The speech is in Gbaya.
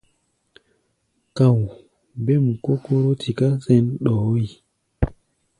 Káu̧u̧, bêm kó Kóró tiká sɛ̌n ɗɔɔ́ yi.